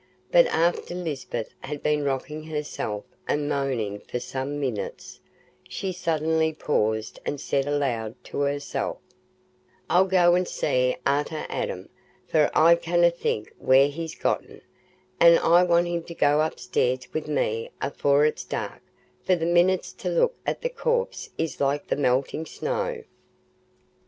But after Lisbeth had been rocking herself and moaning for some minutes, she suddenly paused and said aloud to herself, "I'll go an' see arter Adam, for I canna think where he's gotten; an' I want him to go upstairs wi' me afore it's dark, for the minutes to look at the corpse is like the meltin' snow."